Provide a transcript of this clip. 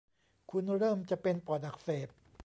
คุณเริ่มจะเป็นปอดอักเสบ